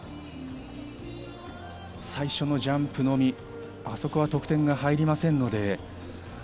最初のジャンプのみ、あそこは得点が入りませんので。